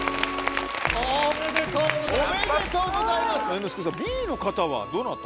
おめでとうございますどなた？